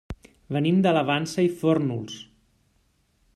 Venim de la Vansa i Fórnols.